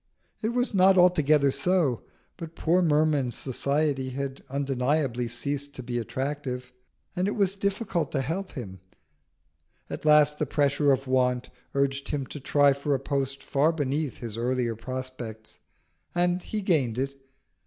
It was not altogether so; but poor Merman's society had undeniably ceased to be attractive, and it was difficult to help him. At last the pressure of want urged him to try for a post far beneath his earlier prospects, and he gained it.